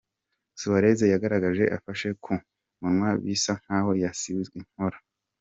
Suarez yagaragaye afashe ku munwa bisa nk’aho yakubiswe inkora.